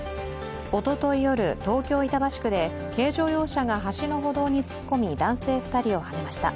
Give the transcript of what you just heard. おととい夜、東京・板橋区で軽乗用車が橋の歩道に突っ込み、男性２人をはねました。